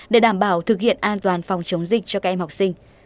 để đảm bảo thực hiện an toàn phòng chống dịch cho các em học sinh